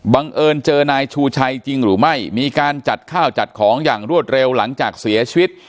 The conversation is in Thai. บังเอิญเจอนายชูชัยจริงหรือไม่มีการจัดข้าวจัดของอย่างรวดเร็วหลังจากเสียชีวิต